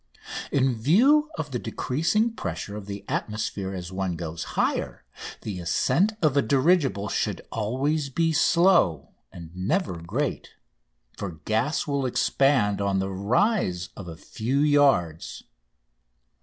In view of the decreasing pressure of the atmosphere as one goes higher the ascent of a dirigible should always be slow and never great, for gas will expand on the rise of a few yards.